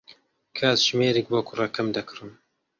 کاتژمێرێک بۆ کوڕەکەم دەکڕم.